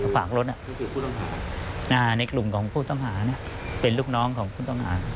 ฝากรถในกลุ่มของผู้ต้องหานะเป็นลูกน้องของผู้ต้องหา